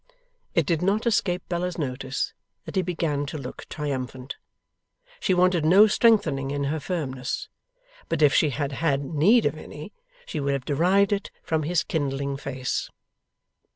It did not escape Bella's notice that he began to look triumphant. She wanted no strengthening in her firmness; but if she had had need of any, she would have derived it from his kindling face.